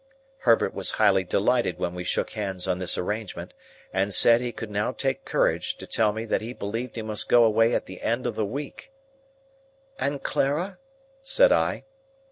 Herbert was highly delighted when we shook hands on this arrangement, and said he could now take courage to tell me that he believed he must go away at the end of the week. "And Clara?" said I.